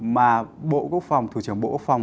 mà bộ quốc phòng thủ trưởng bộ quốc phòng